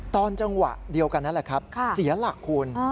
ตอนจังหวะเดียวกันนั่นแหละครับเสียหลักคุณ